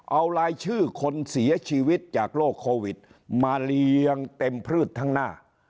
เอารายชื่อคนเสียชีวิตจากโรคโควิดมาเลี้ยงเต็มพืชทั้งหน้า